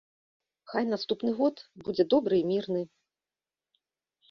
Хай наступны год будзе добры і мірны.